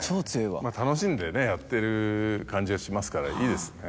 楽しんでやってる感じがしますからいいですね。